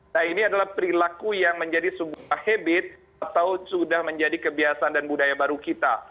nah ini adalah perilaku yang menjadi sebuah habit atau sudah menjadi kebiasaan dan budaya baru kita